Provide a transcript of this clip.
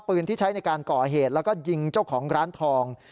ที่ใช้ในการก่อเหตุแล้วก็ยิงเจ้าของร้านทอง